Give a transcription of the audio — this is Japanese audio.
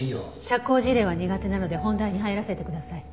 社交辞令は苦手なので本題に入らせてください。